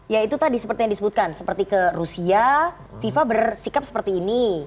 ya itu tadi seperti yang disebutkan seperti ke rusia fifa bersikap seperti ini